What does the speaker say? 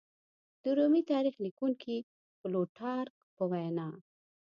د رومي تاریخ لیکونکي پلوټارک په وینا